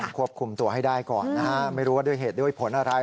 ควบคุมตัวให้ได้ก่อนนะฮะไม่รู้ว่าด้วยเหตุด้วยผลอะไร